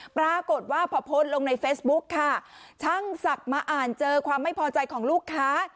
ปรากฏว่าพอโพสต์ลงในเฟซบุ๊กค่ะช่างศักดิ์มาอ่านเจอความไม่พอใจของลูกค้า